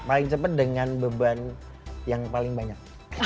paling cepat dengan beban yang paling banyak